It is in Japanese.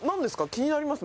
気になります